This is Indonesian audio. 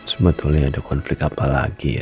sebetulnya ada konflik apa lagi ya